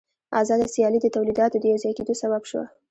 آزاده سیالي د تولیداتو د یوځای کېدو سبب شوه